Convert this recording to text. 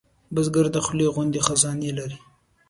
بزګر د خولې غوندې خزانې لري